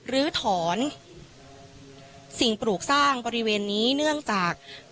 ลื้อถอนสิ่งปลูกสร้างบริเวณนี้เนื่องจาก